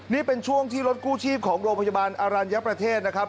นี่เป็นช่วงที่รถกู้ชีพของโรงพยาบาลอรัญญประเทศนะครับ